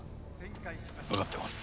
分かってます。